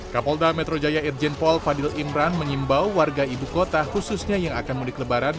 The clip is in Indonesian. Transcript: kapolda metro jaya irjenpol fadil imran menyimbau warga ibu kota khususnya yang akan mulai kelebaran